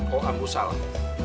oh abu salah